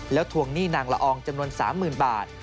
แล้วทวงหนี้นางละอองจำนวน๓๐๐๐บาท